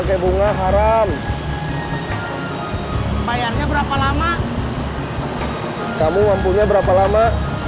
kamu mampunya berapa lama